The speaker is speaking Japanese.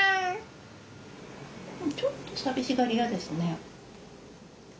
ちょっと寂しがり屋ですね。